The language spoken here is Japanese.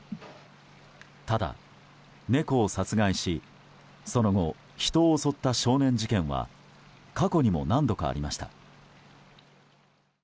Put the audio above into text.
ただ、猫を殺害しその後、人を襲った少年事件は過去にも何度かありました。